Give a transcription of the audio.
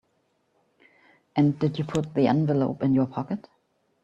And did you put the envelope in your pocket?